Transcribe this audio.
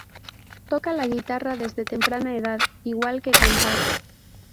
Toca la guitarra desde temprana edad, igual que cantar.